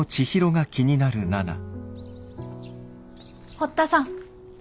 堀田さん